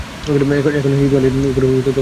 এখনো হিঁদুয়ানির উপর তত অশ্রদ্ধা হয় নি।